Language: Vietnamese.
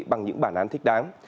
bằng những bản án thích đáng